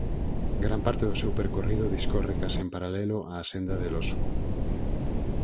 Gran parte do seu percorrido discorre case en paralelo á Senda del oso.